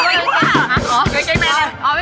ปิ๊บไม่ว่ะ